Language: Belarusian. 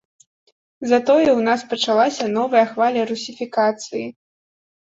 Затое ў нас пачалася новая хваля русіфікацыі.